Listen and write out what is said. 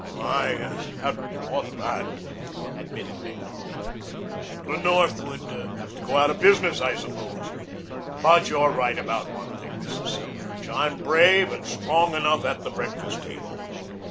"I hadn't thought of that," admitted Macdonald. "The North would have to go out of business, I suppose. But you're right about one thing, Mrs. Selfridge. I'm brave and strong enough at the breakfast table.